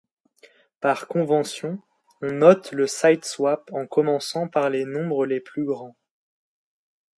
Par convention, on note le siteswap en commençant par les nombres les plus grands.